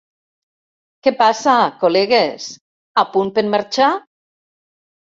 Què passa, col·legues? A punt per marxar?